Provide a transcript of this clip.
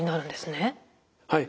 はい。